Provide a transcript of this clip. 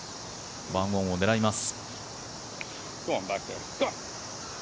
１オンを狙います。